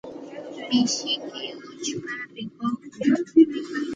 Mishiyki uchpa rikuqmi.